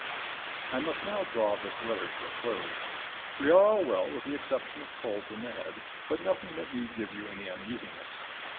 I must now draw this letter to a close. We are all well with the exception of colds in the head, but nothing that need give you any uneasiness.